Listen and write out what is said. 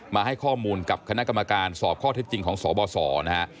มาให้ข้อมูลกับคณะกรรมการสอบข้อเท็จจริงของสบสนะฮะ